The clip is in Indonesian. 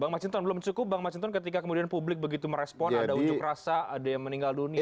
bang masinton belum cukup bang masinton ketika kemudian publik begitu merespon ada unjuk rasa ada yang meninggal dunia